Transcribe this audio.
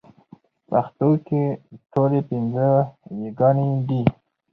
پښتو کې ټولې پنځه يېګانې دي